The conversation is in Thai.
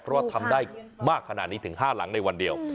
เพราะว่าทำได้มากขนาดนี้ถึง๕หลังในวันเดียว